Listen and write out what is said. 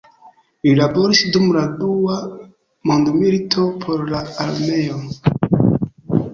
Li laboris dum la dua mondmilito por la armeo.